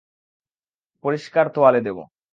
পরিষ্কার তোয়ালে দেবো।